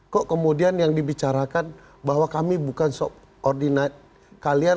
kok kemudian yang dibicarakan bahwa kami bukan ordinate kalian